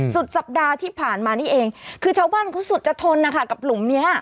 สุดสัปดาห์ที่ผ่านมานี่เองคือชาวบ้านเขาสุดจะทนนะคะกับหลุมเนี้ย